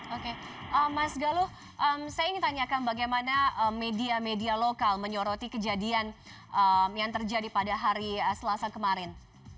oke mas galuh saya ingin tanyakan bagaimana media media lokal menyoroti kejadian yang terjadi pada hari selasa kemarin